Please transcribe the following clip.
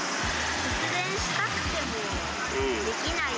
節電したくてもできない。